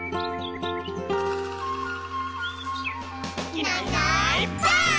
「いないいないばあっ！」